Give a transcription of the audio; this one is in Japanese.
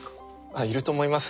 あっいると思います。